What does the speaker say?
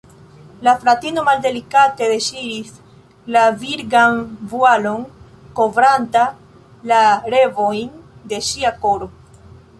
La fratino maldelikate deŝiris la virgan vualon, kovranta la revojn de ŝia koro.